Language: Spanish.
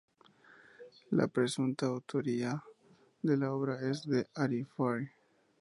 La presunta autoría de la obra es de Ari fróði.